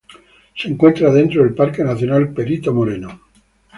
Se encuentra dentro del Parque Nacional Perito Moreno.